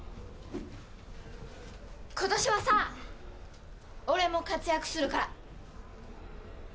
ことしはさ俺も活躍するから。